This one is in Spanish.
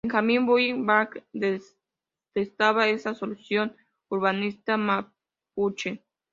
Benjamín Vicuña Mackenna detestaba esta solución urbanística mapuche.